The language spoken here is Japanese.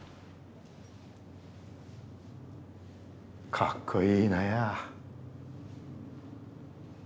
かっこいいなや。